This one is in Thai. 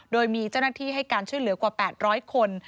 โดยมีเจ้าหน้าที่ให้การช่วยเหลือกว่า๘๐๐คน